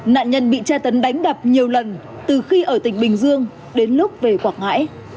nạn nhân bị tra tấn đánh đập nhiều lần từ khi ở tỉnh bình dương đến lúc về quảng ngãi